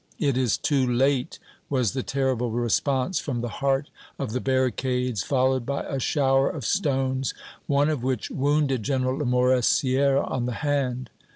"It is too late!" was the terrible response from the heart of the barricades, followed by a shower of stones, one of which wounded General Lamoricière on the hand.